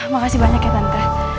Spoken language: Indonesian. makasih banyak ya tante